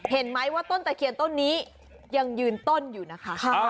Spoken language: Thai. เห็นไหมว่าต้นตะเคียนต้นนี้ยังยืนต้นอยู่นะคะ